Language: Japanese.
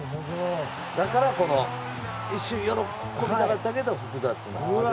だから、この一瞬喜ぼうとしたけど複雑な。